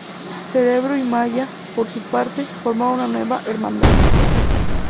Cerebro y Mallah, por su parte, formaron una nueva Hermandad.